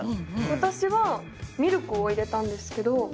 私はミルクを入れたんですけど。